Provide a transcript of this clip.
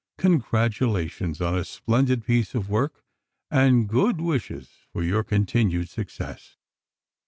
Congratulations on a splendid piece of work, and good wishes for your continued success.